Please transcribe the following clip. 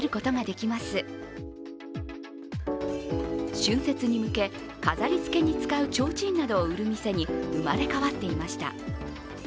春節に向け、飾りつけに使うちょうちんなどを売る店に生まれ変わっていました。